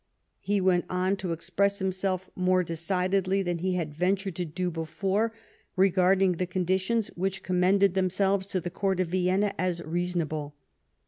lie went on to express himself more decidedly than he had ventured to do before rejiardinof the conditions which commended themselves to the C^ourt of Vienna as reasonable.